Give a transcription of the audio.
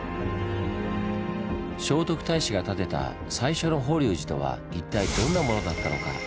聖徳太子が建てた最初の法隆寺とは一体どんなものだったのか？